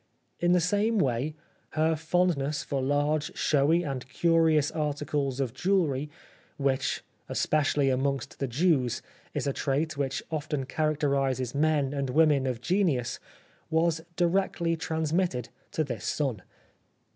In the same way her fondness for 7^ The Life of Oscar Wilde large, showy and curious articles of jewellery, which, especially amongst the Jews, is a trait which often characterises men and women of genius, was directly transmitted to this son.